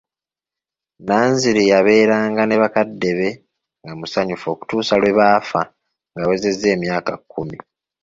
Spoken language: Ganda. Nanziri yabeeranga ne bakadde be nga musanyufu okutuusa lwe baafa ng'awezezza emyaka kkumi.